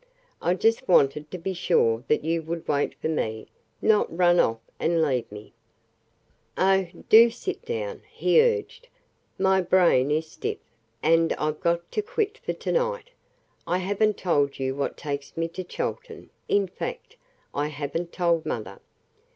I just wanted to be sure that you would wait for me not run off and leave me." "Oh, do sit down," he urged. "My brain is stiff, and I've got to quit for to night. I haven't told you what takes me to Chelton in fact, I haven't told mother.